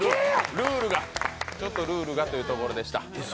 ルールが、ちょっとルールがというところでした。